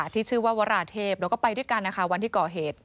ที่ชื่อว่าวราเทพแล้วก็ไปด้วยกันนะคะวันที่ก่อเหตุ